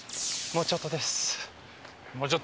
もうちょっとです。